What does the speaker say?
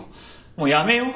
もうやめよう。